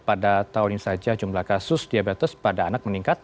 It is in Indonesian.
pada tahun ini saja jumlah kasus diabetes pada anak meningkat